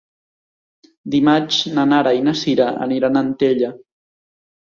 Dimarts na Nara i na Sira aniran a Antella.